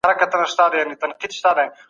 سفیران د سولي په خبرو کي څه غواړي؟